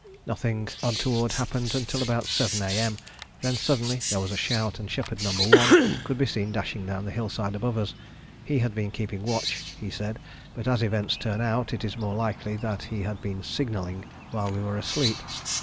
Nothing untoward happened till about 7 A.M. Then suddenly there was a shout, and shepherd No. 1 could be seen dashing down the hillside above us. He had been keeping watch, he said, but as events turned out it is more than likely that he had been signalling while we were asleep.